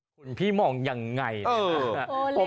คุณพี่มองยังไงนะครับ